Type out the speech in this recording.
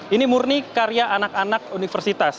ini murni karya anak anak universitas